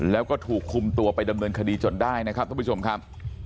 แล้วก็ถูกคุมตัวไปดำเนินคดีจนได้นะครับท่านผู้ชมครับ